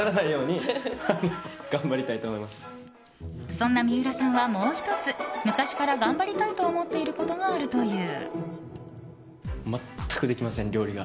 そんな三浦さんは、もう１つ昔から頑張りたいと思っていることがあるという。